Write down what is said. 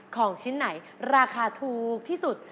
ของชิ้นไหนราคาถูกที่สุด